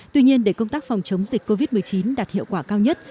tuy nhiên để công tác phòng chống dịch covid một mươi chín đạt hiệu quả cao nhất